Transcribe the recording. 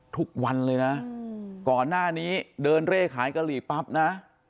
ทุกวันเลยนะก่อนหน้านี้เดินเร่ขายกะหรี่ปั๊บนะ